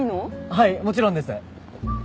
はいもちろんです。